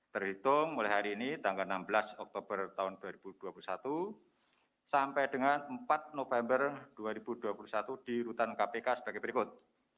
terhitung mulai hari ini tanggal enam belas oktober tahun dua ribu dua puluh satu sampai dengan empat november dua ribu dua puluh satu di rutan kpk sebagai berikut